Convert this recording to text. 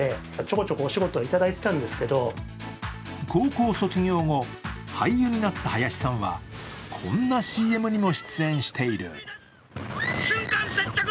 高校卒業後、俳優になった林さんは、こんなＣＭにも出演している。